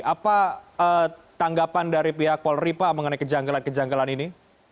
apa tanggapan dari pihak polri pak mengenai kejanggalan kejanggalan ini